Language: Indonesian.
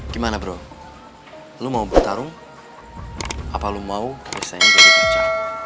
gimana bro lo mau bertarung apa lo mau desainnya jadi kerja